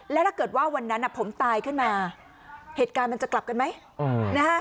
แล้วถ้าเกิดว่าวันนั้นผมตายขึ้นมาเหตุการณ์มันจะกลับกันไหม